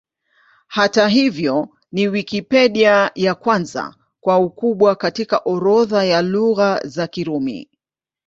Hata hivyo, ni Wikipedia ya kwanza kwa ukubwa katika orodha ya Lugha za Kirumi.